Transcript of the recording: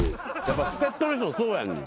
助っ人の人そうやねん。